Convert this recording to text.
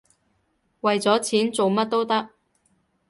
為咗錢，做乜都得